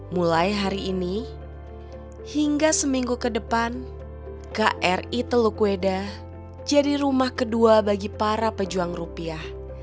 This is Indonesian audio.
mulai hari ini hingga seminggu ke depan kri teluk weda jadi rumah kedua bagi para pejuang rupiah